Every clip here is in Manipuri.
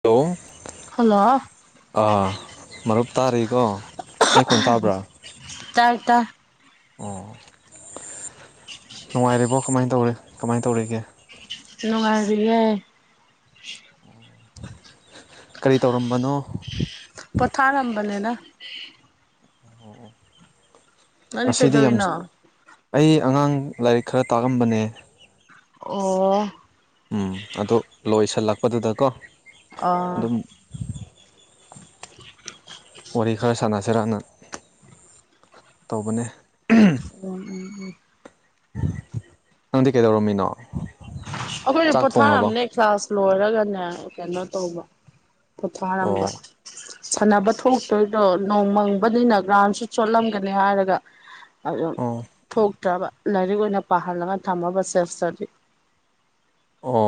ꯍꯜꯂꯣ ꯍꯜꯂꯣ ꯃꯔꯨꯞ ꯇꯥꯔꯤꯀꯣ ꯑꯩ ꯀꯣꯟ ꯇꯥꯕ꯭ꯔꯥ ꯇꯥꯏ ꯇꯥꯏ ꯑꯣ ꯅꯨꯡꯉꯥꯏꯔꯤꯕꯣ ꯀꯃꯥꯏꯅ ꯇꯧꯔꯤ ꯀꯃꯥꯏꯅ ꯇꯧꯔꯤꯒꯦ ꯅꯨꯡꯉꯥꯢꯔꯤꯌꯦ ꯀꯔꯤ ꯇꯧꯔꯝꯕꯅꯣ ꯄꯣꯊꯥꯔꯝꯕꯅꯤꯅ ꯅꯅꯤ ꯉꯁꯤꯗꯤ ꯌꯥꯝ ꯀꯩꯗꯋꯅꯥ ꯑꯩ ꯑꯉꯥꯡ ꯂꯥꯏꯔꯤꯛ ꯈꯔ ꯇꯥꯛꯑꯝꯕꯅꯦ ꯑꯣ ꯎꯝ ꯑꯗꯣ ꯂꯣꯏꯁꯤꯜꯂꯛꯄꯗꯨꯗꯀꯣ ꯑꯥ ꯑꯗꯨꯝ ꯋꯥꯔꯤ ꯈꯔ ꯁꯥꯟꯅꯁꯤꯔꯅ ꯇꯧꯕꯅꯦ ꯎꯝ ꯎꯝ ꯎꯝ ꯅꯪꯗꯤ ꯀꯩꯗꯧꯔꯝꯃꯤꯅꯣ ꯑꯩꯈꯣꯏꯅ ꯆꯥꯛ ꯊꯣꯡꯉꯕꯣ ꯄꯣꯊꯥꯔꯝꯅꯦ ꯀ꯭ꯂꯥꯁ ꯂꯣꯏꯔꯒꯅꯦ ꯀꯩꯅꯣ ꯇꯧꯕ ꯄꯣꯊꯥꯔꯝꯕ ꯑꯣ ꯁꯥꯟꯅꯕ ꯊꯣꯛꯇꯣꯏꯗꯣ ꯅꯣꯡ ꯃꯪꯕꯅꯤꯅ ꯒ꯭ꯔꯥꯎꯟꯁꯨ ꯆꯣꯠꯂꯝꯒꯅꯤ ꯍꯥꯏꯔꯒ ꯑꯗꯨ ꯑꯣ ꯊꯣꯛꯇ꯭ꯔꯕ ꯂꯥꯏꯔꯤꯛ ꯑꯣꯏꯅ ꯄꯥꯍꯜꯂꯒ ꯊꯝꯃꯕ ꯁꯦꯁꯇꯗꯤ ꯑꯣ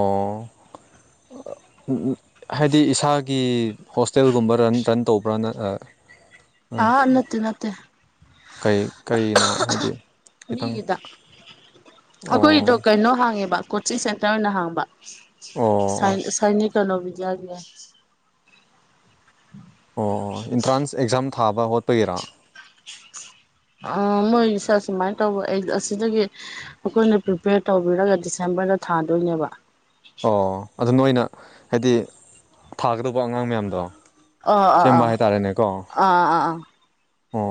ꯍꯥꯏꯗꯤ ꯏꯁꯥꯒꯤ ꯍꯣꯁꯇꯦꯜꯒꯨꯝꯕ ꯔꯟ ꯔꯟ ꯇꯧꯕ꯭ꯔꯅ ꯑꯥ ꯅꯠꯇꯦ ꯅꯠꯇꯦ ꯀꯔꯤ ꯀꯔꯤꯅꯣ ꯍꯥꯏꯗꯤ ꯈꯤꯇꯪ ꯃꯤꯒꯤꯗ ꯑꯩꯈꯣꯏꯒꯤꯗꯣ ꯑꯣ ꯀꯩꯅꯣ ꯍꯥꯡꯉꯦꯕ ꯀꯣꯆꯤꯡ ꯁꯦꯟꯇꯔ ꯑꯣꯏꯅ ꯍꯥꯡꯕ ꯑꯣ ꯑꯣ ꯁꯅꯤꯛ ꯆꯂꯣ ꯕꯤꯖꯒ ꯑꯣ ꯑꯣ ꯑꯦꯟꯇ꯭ꯔꯥꯟꯁ ꯑꯦꯛꯖꯥꯝ ꯊꯥꯕ ꯍꯣꯠꯄꯒꯤꯔꯥ ꯑ ꯃꯣꯏꯒꯤꯁꯦ ꯑꯁꯨꯃꯥꯏꯅ ꯇꯧꯕ ꯑꯩ ꯑꯁꯤꯗꯒꯤ ꯑꯩꯈꯣꯏꯅ ꯄ꯭ꯔꯤꯄꯦꯌꯔ ꯇꯧꯕꯤꯔꯒ ꯗꯤꯁꯦꯝꯔ ꯃꯃꯅ ꯊꯥꯗꯣꯏꯅꯦꯕ ꯑꯣ ꯑꯗꯨ ꯅꯣꯢꯅ ꯍꯥꯏꯗꯤ ꯊꯥꯒꯗꯧꯕ ꯑꯉꯥꯡ ꯃꯌꯥꯝꯗꯣ ꯑꯥ ꯑꯥ ꯑꯥ ꯁꯦꯝꯕ ꯍꯥꯏꯇꯥꯔꯦꯅꯦꯀꯣ ꯑꯥ ꯑꯥ ꯑꯣ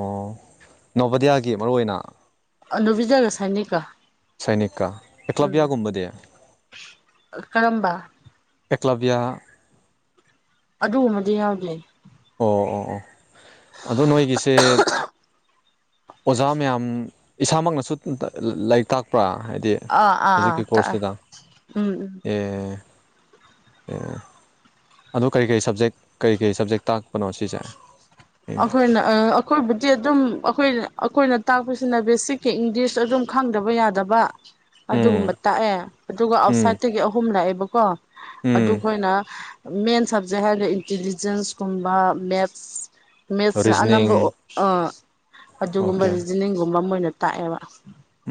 ꯅꯚꯗꯤꯌꯥꯒꯤ ꯃꯔꯨꯑꯣꯏ ꯑꯣꯏꯅ ꯅꯨꯕꯤꯖꯒ ꯁꯥꯏꯅꯤꯀ ꯁꯥꯏꯅꯤꯀꯥ ꯑꯦꯀ꯭ꯂꯕꯤꯌꯥꯒꯨꯝꯕꯗꯤ ꯀꯔꯝꯕ ꯑꯦꯀꯂꯕꯤꯌꯥ ꯑꯗꯨꯒꯨꯝꯕꯗꯤ ꯌꯥꯎꯗꯦ ꯑꯣ ꯑꯣ ꯑꯣ ꯑꯗꯣ ꯅꯣꯏꯒꯤꯁꯦ ꯑꯣꯖꯥ ꯃꯌꯥꯝ ꯏꯁꯥꯃꯛꯅꯁꯨ ꯂꯥꯏꯔꯤꯛ ꯇꯥꯛꯄ꯭ꯔꯥ ꯍꯥꯏꯗꯤ ꯑꯥ ꯑꯥ ꯑꯥ ꯍꯧꯖꯤꯛꯀꯤ ꯇꯥꯛꯑꯦ ꯀꯣꯔꯁꯇꯨꯗ ꯎꯝ ꯎꯝ ꯑꯦ ꯑꯗꯨ ꯀꯔꯤ ꯀꯔꯤ ꯁꯕꯖꯦꯛ ꯀꯔꯤ ꯀꯔꯤ ꯁꯕꯖꯦꯛ ꯇꯥꯛꯄꯅꯣ ꯁꯤꯁꯦ ꯑꯩꯈꯣꯏꯅ ꯑꯩꯈꯣꯏꯕꯨꯗꯤ ꯑꯗꯨꯝ ꯑꯩꯈꯣꯏ ꯑꯩꯈꯣꯏꯅ ꯇꯥꯛꯄꯁꯤꯅ ꯕꯦꯁꯤꯛꯀꯤ ꯏꯪꯂꯤꯁ ꯑꯗꯨꯝ ꯈꯪꯗꯕ ꯌꯥꯗꯕ ꯎꯝ ꯑꯗꯨꯒꯨꯝꯕ ꯇꯥꯛꯑꯦ ꯑꯗꯨꯒ ꯎꯝ ꯑꯥꯎꯠꯁꯥꯏꯗꯠꯇꯒꯤ ꯑꯍꯨꯝ ꯂꯥꯛꯑꯦꯕꯀꯣ ꯎꯝ ꯑꯗꯨꯒꯈꯣꯏꯅ ꯃꯦꯟ ꯁꯕꯖꯦꯛ ꯍꯥꯏꯔꯒ ꯏꯟꯇꯤꯂꯤꯖꯦꯟꯁꯀꯨꯝꯕ ꯃꯦꯠꯁ ꯃꯦꯠꯁꯅ ꯔꯤꯖꯅꯤꯡ ꯑꯅꯝꯕ ꯑꯣꯀꯦ ꯑꯗꯨꯒꯨꯝꯕ ꯔꯤꯖꯅꯤꯡꯒꯨꯝꯕ ꯑꯃ ꯑꯣꯏꯅ ꯇꯥꯛꯑꯦꯕ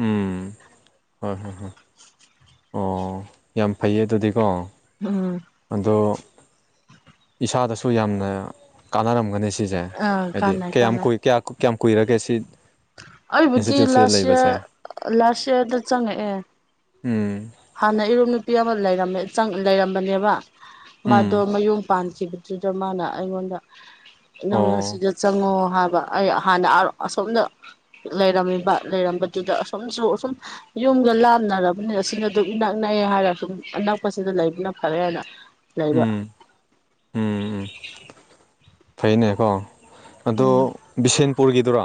ꯎꯝ ꯍꯣꯏ ꯍꯣꯏ ꯑꯣ ꯌꯥꯝ ꯐꯩꯌꯦ ꯑꯗꯨꯗꯤꯀꯣ ꯎꯝ ꯑꯗꯣ ꯏꯁꯥꯗꯁꯨ ꯌꯥꯝꯅ ꯀꯥꯟꯅꯔꯝꯒꯅꯤ ꯁꯤꯁꯦ ꯑꯥ ꯍꯥꯏꯗꯤ ꯀꯥꯟꯅꯩ ꯀꯥꯟꯅꯩ ꯀꯌꯥꯝꯨꯏ ꯀꯌꯥꯝ ꯀꯨꯏꯔꯒꯦ ꯁꯤ ꯑꯩꯕꯨꯗꯤ ꯏꯟꯁꯇꯤꯇ꯭ꯌꯨꯠꯁꯤꯗ ꯂꯥꯁ ꯏꯌꯥꯔ ꯂꯩꯕꯁꯦ ꯂꯥꯁ ꯏꯌꯥꯔꯗ ꯆꯪꯉꯛꯑꯦ ꯎꯝ ꯍꯥꯟꯅ ꯏꯔꯨꯝ ꯅꯨꯄꯤ ꯑꯃ ꯂꯩꯔꯝꯃꯦ ꯂꯩꯔꯝꯕꯅꯦꯕ ꯃꯥꯗꯣ ꯎꯝ ꯃꯌꯨꯝ ꯄꯥꯟꯈꯤꯕꯗꯨꯗ ꯃꯥꯅ ꯑꯩꯉꯣꯟꯗ ꯅꯪ ꯑꯣ ꯑꯁꯤꯗ ꯆꯪꯉꯣ ꯍꯥꯏꯕ ꯑꯩ ꯍꯥꯟꯅ ꯑꯁꯣꯝꯅ ꯂꯩꯔꯝꯃꯤꯕ ꯂꯩꯔꯝꯕꯗꯨꯗ ꯑꯁꯣꯝꯁꯨ ꯑꯁꯨꯝ ꯌꯨꯝ ꯂꯥꯞꯅꯔꯕꯅꯦ ꯑꯁꯤꯅ ꯑꯗꯨꯛ ꯅꯛꯅꯩ ꯍꯥꯏꯔꯒ ꯁꯨꯝ ꯑꯅꯛꯄꯁꯤꯗ ꯂꯩꯕꯅ ꯐꯔꯦꯅ ꯂꯩꯕ ꯎꯝ ꯎꯝ ꯎꯝ ꯐꯩꯅꯦꯀꯣ ꯑꯗꯣ ꯕꯤꯁꯦꯟꯄꯨꯔꯒꯤꯗꯨꯔꯣ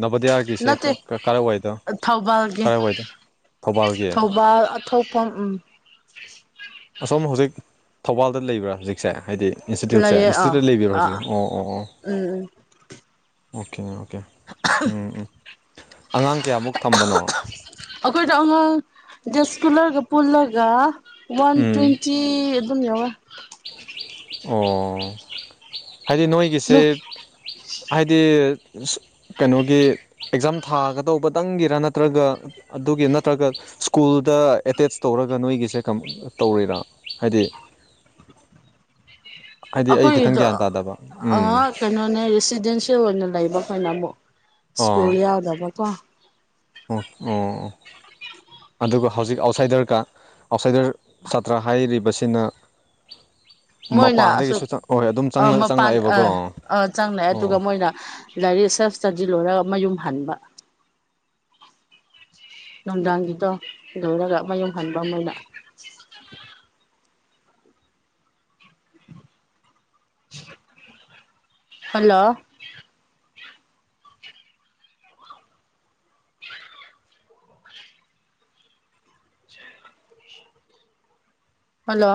ꯅꯕꯣꯗꯤꯌꯥꯒꯤꯁꯦ ꯅꯠꯇꯦ ꯀꯔꯥꯏꯋꯥꯏꯗꯣ ꯀꯔꯥꯏꯋꯥꯏꯗ ꯊꯧꯕꯥꯜꯒꯤ ꯊꯧꯧꯕꯜ ꯑꯊꯐꯝ ꯎꯝ ꯑꯁꯣꯝ ꯍꯧꯖꯤꯛ ꯊꯧꯕꯥꯜꯗ ꯂꯩꯕ꯭ꯔꯥ ꯍꯧꯖꯤꯛꯁꯦ ꯍꯥꯏꯗꯤ ꯏꯟꯁꯇꯤꯇ꯭ꯌꯨꯠꯁꯦ ꯂꯩꯌꯦ ꯑꯥ ꯏꯟꯁꯇꯤꯇ꯭ꯌꯨꯠꯇ ꯂꯩꯕꯤꯔꯣ ꯑꯥ ꯍꯧꯖꯤꯛ ꯑꯣ ꯑꯣ ꯑꯣ ꯎꯝ ꯎꯝ ꯑꯣꯀꯦꯅꯦ ꯑꯣꯀꯦ ꯎꯝ ꯎꯝ ꯑꯉꯥꯡ ꯀꯌꯥꯃꯨꯛ ꯊꯝꯕꯅꯣ ꯑꯩꯈꯣꯏꯗ ꯑꯉꯥꯡ ꯖꯁ ꯀꯨꯂꯔꯒ ꯄꯨꯜꯂꯒ ꯋꯥꯟ ꯎꯝ ꯇ꯭ꯋꯦꯟꯇꯤ ꯑꯗꯨꯝ ꯌꯥꯎꯋ ꯑꯣ ꯍꯥꯏꯗꯤ ꯅꯣꯏꯒꯤꯁꯦ ꯍꯥꯏꯗꯤ ꯀꯩꯅꯣꯒꯤ ꯑꯦꯛꯖꯥꯝ ꯊꯥꯒꯗꯧꯕꯇꯪꯒꯤꯔ ꯅꯠꯇ꯭ꯔꯒ ꯑꯗꯨꯒꯤ ꯅꯠꯇ꯭ꯔꯒ ꯁ꯭ꯀꯨꯜꯗ ꯑꯦꯇꯦꯁ ꯇꯧꯔꯒ ꯅꯣꯏꯒꯤꯁꯦ ꯇꯧꯔꯤꯔ ꯍꯥꯏꯗꯤ [inaudible] ꯍꯥꯏꯗꯤ ꯑꯩ ꯈꯤꯇꯪ ꯑꯩꯈꯣꯏꯒꯤꯗꯣ ꯒ꯭ꯌꯥꯟ ꯇꯥꯗꯕ ꯎꯝ ꯀꯩꯅꯣꯅꯦ ꯔꯦꯁꯤꯗꯦꯟꯁꯤꯌꯦꯦꯜ ꯑꯣꯏꯅ ꯂꯩꯕꯈꯅ ꯑꯃꯨꯛ ꯑꯣ ꯁꯀꯨꯔꯤ ꯌꯥꯎꯗꯕ ꯀꯣ ꯑꯣ ꯑꯣ ꯑꯗꯨꯒ ꯍꯧꯖꯤꯛ ꯑꯥꯎꯠꯁꯥꯏꯗꯔꯀ ꯑꯥꯎꯠꯁꯥꯏꯗꯔ ꯁꯥꯇ꯭ꯔ ꯍꯥꯏꯔꯤꯕꯁꯤꯅ ꯃꯄꯥꯟꯗꯒꯤꯁꯨ ꯑꯣꯏ ꯑ ꯃꯄꯥꯟ ꯑ ꯑ ꯆꯪꯅꯑꯦ ꯑꯣ ꯑꯗꯨꯒ ꯃꯣꯏꯅ ꯂꯥꯏꯔꯤꯛ ꯁꯦꯜꯐ ꯏꯁꯇꯗꯤ ꯂꯣꯏꯔꯒ ꯃꯌꯨꯝ ꯍꯟꯕ ꯅꯨꯡꯗꯥꯡꯒꯤꯗꯣ ꯂꯣꯏꯔꯒ ꯃꯌꯨꯝ ꯍꯟꯕꯅ ꯍꯜꯂꯣ ꯍꯜꯂꯣ